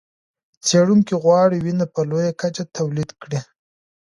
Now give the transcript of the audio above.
څېړونکي غواړي وینه په لویه کچه تولید کړي.